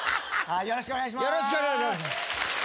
よろしくお願いします。